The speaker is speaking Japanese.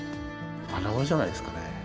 穴場じゃないですかね。